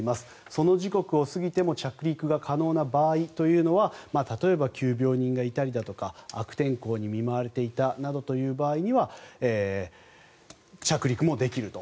その時刻を過ぎても着陸が可能な場合というのは例えば急病人がいたりだとか悪天候に見舞われていたという場合には着陸もできると。